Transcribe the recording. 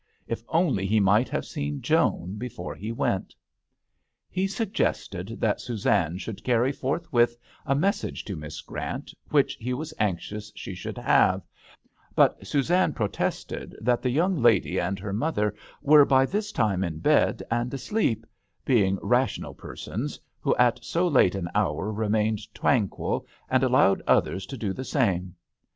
If only he might have seen Joan before he went ! He suggested that Suzanne should carry forthwith a message to Miss Grant which he was anxious she should have, but Suzanne protested that the young lady and her mother were by this time in bed and asleep, being rational persons, who at so late an hour remained tranquil, and allowed others to do the same.